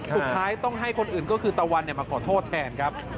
สุดท้ายต้องให้คนอื่นก็คือตะวันมาขอโทษแทนครับ